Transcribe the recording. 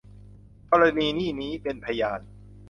ธรณีนี่นี้ เป็นพยาน